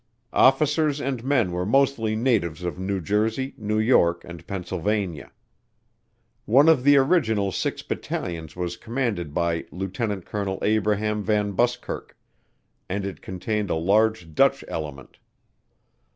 Officers and men were mostly natives of New Jersey, New York and Pennsylvania. One of the original six battalions was commanded by Lieutenant Colonel Abraham Van Buskirk and it contained a large Dutch element.